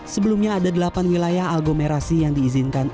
sebelumnya ada delapan wilayah aglomerasi yang diizinkan